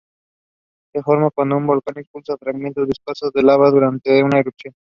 Se forman cuando un volcán expulsa fragmentos viscosos de lava durante una erupción.